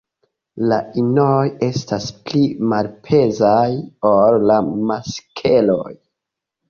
La inoj estas pli malpezaj ol la maskloj.